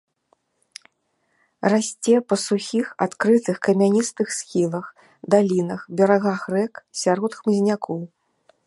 Расце па сухіх, адкрытых, камяністых схілах, далінах, берагах рэк, сярод хмызнякоў.